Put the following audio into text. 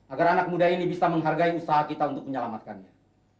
agar anak muda ini bisa menghargai usaha kita untuk menyelamatkannya